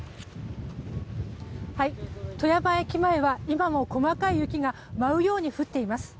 富山駅前は今も細かい雪が舞うように降っています。